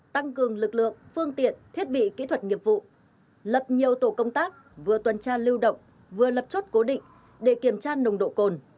tăng cường lực lượng phương tiện thiết bị kỹ thuật nghiệp vụ lập nhiều tổ công tác vừa tuần tra lưu động vừa lập chốt cố định để kiểm tra nồng độ cồn